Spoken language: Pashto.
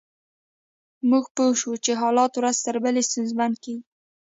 موږ پوه شوو چې حالات ورځ تر بلې ستونزمن کیږي